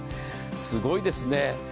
すごいですね。